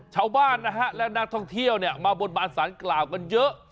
ชาวบ้านนะฮะและนักท่องเที่ยวเนี่ยมาบนบานสารกล่าวกันเยอะ